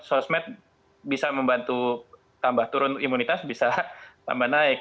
sosmed bisa membantu tambah turun imunitas bisa tambah naik